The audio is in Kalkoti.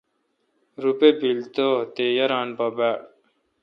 روپہ بیل تو تے یاران پہ باڑ۔